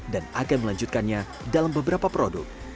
dan akan melanjutkannya dalam beberapa produk